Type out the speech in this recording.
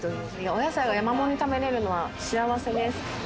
お野菜が山盛り食べれるのは幸せです。